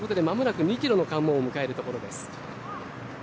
間もなく２キロの関門を迎えるところです。